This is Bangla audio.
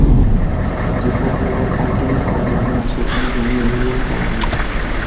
যেসব জেলায় খাসজমি পাওয়া যাবে না, সেখানে জমি অধিগ্রহণ করা হবে।